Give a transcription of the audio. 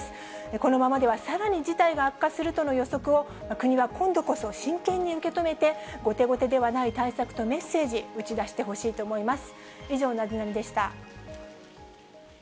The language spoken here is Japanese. このままでは、さらに事態が悪化するとの予測を、国は今度こそ真剣に受け止めて、後手後手ではない対策とメッセージ、打ち出してほしいと思います。